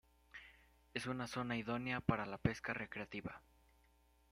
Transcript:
Es una zona idónea para la pesca recreativa.